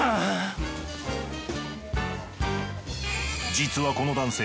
実はこの男性